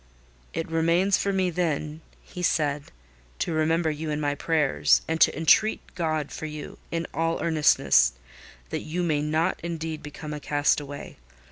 "It remains for me, then," he said, "to remember you in my prayers, and to entreat God for you, in all earnestness, that you may not indeed become a castaway.